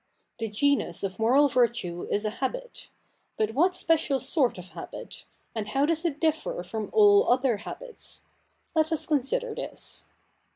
The genus of moral virtue is a habit. But what special sort of habit ? and how does it differ from all other habits ? Let us con sider this.